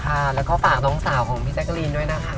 ค่ะแล้วก็ฝากน้องสาวของพี่แจ๊กกะรีนด้วยนะคะ